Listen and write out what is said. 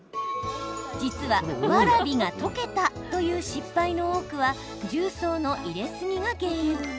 実はわらびが溶けたという失敗の多くは重曹の入れすぎが原因。